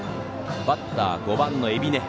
バッター、５番の海老根。